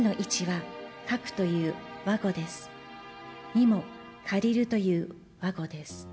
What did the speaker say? ２も「借りる」という和語です。